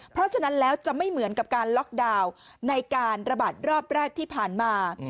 เพราะฉะนั้นแล้วจะไม่เหมือนกับการล็อกดาวน์ในการระบาดรอบแรกที่ผ่านมา